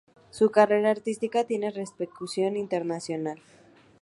Su carrera artística tiene repercusión internacional.